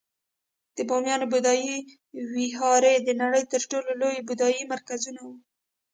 د بامیانو بودایي ویهارې د نړۍ تر ټولو لوی بودایي مرکزونه وو